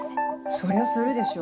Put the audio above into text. そりゃするでしょ